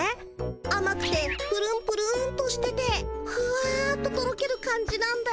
あまくてプルンプルンとしててふわっととろける感じなんだよね。